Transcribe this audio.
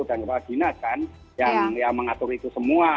dan kepala dinas kan yang mengatur itu semua